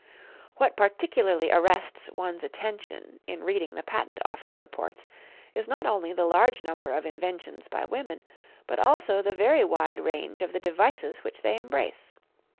What particularly arrests one's attention in reading the Patent Office reports is not only the large number of inventions by women, but also the very wide range of the devices which they embrace.